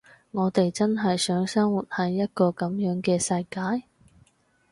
我哋真係想生活喺一個噉樣嘅世界？